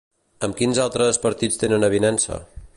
Amb quins altres partits tenen avinença?